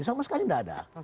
sama sekali tidak ada